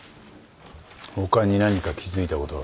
他に何か気付いたことは？